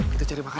kita cari makan